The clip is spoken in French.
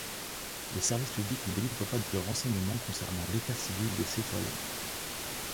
Les services publics ne délivrent pas de renseignements concernant l'état civil des citoyens.